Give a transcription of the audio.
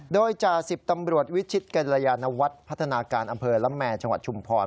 โดยจ่าสิบตำรวจวิชิตกัลยานวัฒน์พัฒนาการอำเภอละแมร์จังหวัดชุมพร